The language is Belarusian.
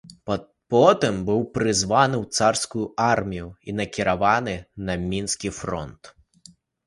Потым быў прызваны ў царскую армію і накіраваны на мінскі фронт.